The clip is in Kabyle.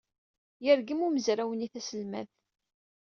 Yergem umezraw-nni taselmadt.